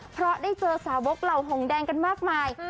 เพราะได้เจอสาวบกเหล่าหงแดงกันมากมาย